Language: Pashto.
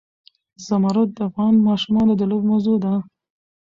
زمرد د افغان ماشومانو د لوبو موضوع ده.